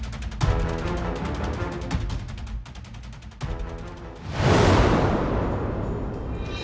pelanggar besar akan ada di maupun dalam